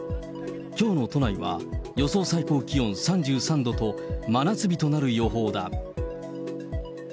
きょうの都内は予想最高気温３３度と、真夏日となる予報だ。